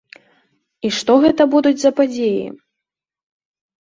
І што гэта будуць за падзеі?